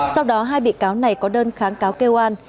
sau đó hai bị cáo này có đơn kháng cáo kêu an